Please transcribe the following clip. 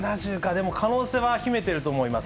でも可能性は秘めていると思います。